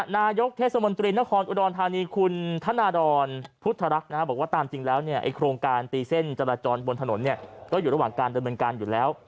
นายกเทศมนตรีนครอุดรธานีคุณธนาดรพุทธรักษ์บอกว่าตามจริงแล้วเนี่ยโครงการตีเส้นจราจรบนถนนเนี่ยก็อยู่ระหว่างการดำเนินการอยู่แล้ว